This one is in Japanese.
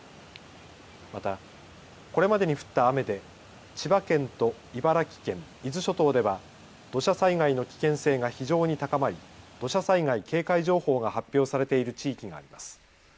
またこれまでに降った雨で千葉県と茨城県、伊豆諸島では土砂災害の危険性が非常に高まり土砂災害警戒情報が発表されている地域があります。